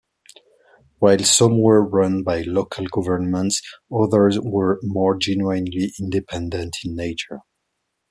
While some were run by local governments, others were more genuinely independent in nature.